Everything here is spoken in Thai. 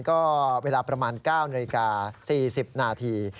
ก็เวลาประมาณ๙นาฬิกา๔๐นาที